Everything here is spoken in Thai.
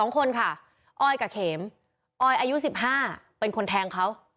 ๒คนค่ะอ้อยกับเข็มออยอายุ๑๕เป็นคนแทงเขา